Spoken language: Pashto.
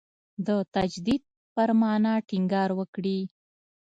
د تجدید پر معنا ټینګار وکړي.